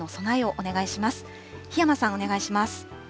お願いします。